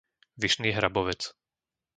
Vyšný Hrabovec